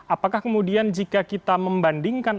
apakah kemudian jika kita membandingkan